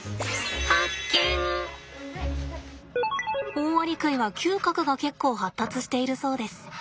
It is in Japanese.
オオアリクイは嗅覚が結構発達しているそうです。